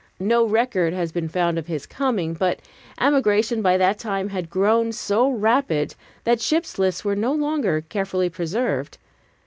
No record has been found of his coming, but emigration by that time had grown so rapid that ships' lists were no longer carefully preserved.